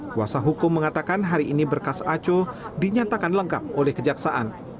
kuasa hukum mengatakan hari ini berkas aco dinyatakan lengkap oleh kejaksaan